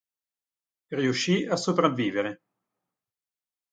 Riuscì a sopravvivere.